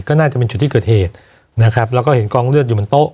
ก็น่าจะเป็นจุดที่เกิดเหตุนะครับแล้วก็เห็นกองเลือดอยู่บนโต๊ะ